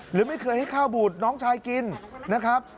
หรือไม่เคยให้ข้าวบูดน้องชายกินนะครับ